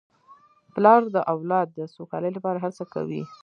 پلار د اولاد د سوکالۍ لپاره هر څه کوي.